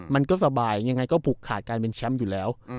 มันก็สบายยังไงก็ผูกขาดการเป็นแชมป์อยู่แล้ว